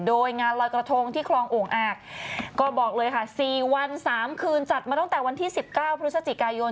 โดยงานลอยกระทงที่คลองโอ่งอากก็บอกเลยค่ะ๔วัน๓คืนจัดมาตั้งแต่วันที่๑๙พฤศจิกายน